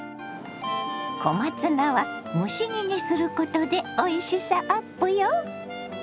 小松菜は蒸し煮にすることでおいしさアップよ。